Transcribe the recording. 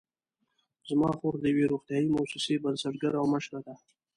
زما خور د یوې روغتیايي مؤسسې بنسټګره او مشره ده